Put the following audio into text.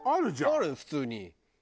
あるよ普通に。